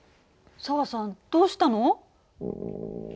紗和さんどうしたの？